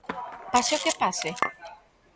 Pase o que pase?